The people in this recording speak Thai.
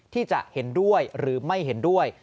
ที่จะเห็นด้วยหรือไม่เห็นด้วย